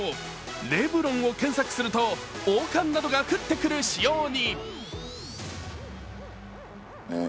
レブロンを検索すると王冠などが降ってくる仕様に。